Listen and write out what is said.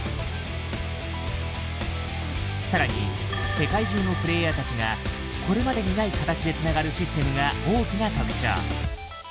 更に世界中のプレイヤーたちがこれまでにない形でつながるシステムが大きな特徴。